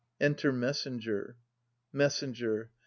Enter Messenger, Messenger.